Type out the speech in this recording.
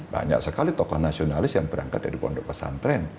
banyak sekali tokoh nasionalis yang berangkat dari pondok pesantren